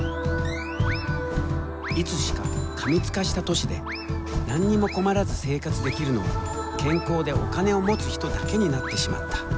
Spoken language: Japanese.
いつしか過密化した都市で何にも困らず生活できるのは健康でお金を持つ人だけになってしまった。